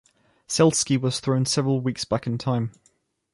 Seleski was thrown several weeks back in time.